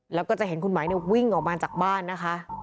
แล้วก็จะเห็นคุณหมายวิ่งออกมาจากบ้านนะคะ